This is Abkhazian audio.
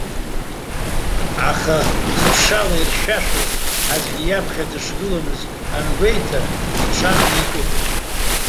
Аха хыԥшала иршәашаз аӡәгьы иаԥхьа дышгыламыз ангәеиҭа иҽааникылеит.